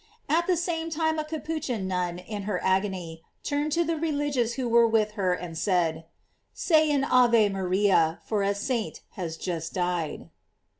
At the same time a Capuchin nun, in her agony, turned to the religious who were with her and said: "Say an Ave Maria, for a saint has just died."